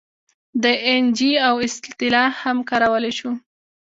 د این جي او اصطلاح هم کارولی شو.